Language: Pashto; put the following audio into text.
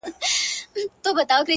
څوک وایي گران دی څوک وای آسان دی